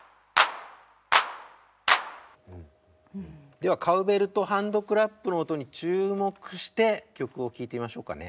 ではカウベルとハンドクラップの音に注目して曲を聴いてみましょうかね。